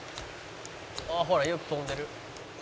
「ほらよく飛んでる」